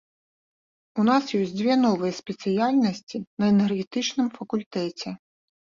У нас ёсць дзве новыя спецыяльнасці на энергетычным факультэце.